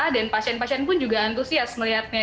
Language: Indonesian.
dan pasien pasien pun juga antusias melihatnya